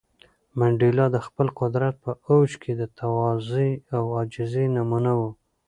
منډېلا د خپل قدرت په اوج کې د تواضع او عاجزۍ نمونه و.